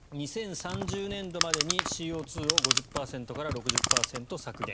２０３０年度までにＣＯ２を５０％から６０％削減。